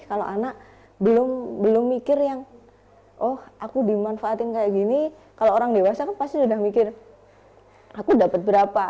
kalau anak belum mikir yang oh aku dimanfaatin kayak gini kalau orang dewasa kan pasti sudah mikir aku dapat berapa